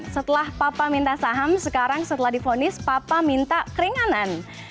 setelah papa minta saham sekarang setelah difonis papa minta keringanan